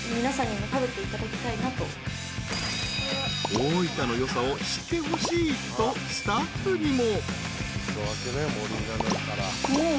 ［大分のよさを知ってほしいとスタッフにも］